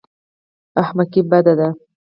احمقي بد دی.